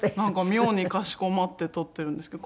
妙にかしこまって撮ってるんですけど。